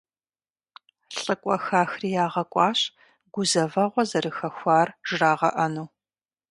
ЛӀыкӀуэ хахри ягъэкӀуащ гузэвэгъуэ зэрыхэхуар жрагъэӀэну.